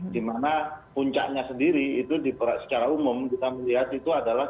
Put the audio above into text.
dimana puncaknya sendiri itu secara umum kita melihat itu adalah